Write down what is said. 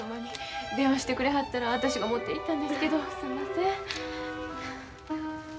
電話してくれはったら私が持っていったんですけどすんません。